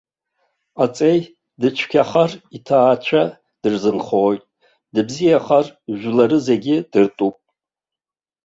Аҵеи дыцәгьахар, иҭаацәа дырзынхоит, дыбзиахар, жәлары зегьы дыртәуп!